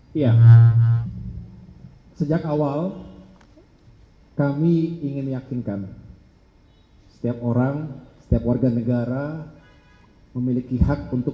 hai ya sejak awal kami ingin meyakinkan setiap orang setiap warga negara memiliki hak untuk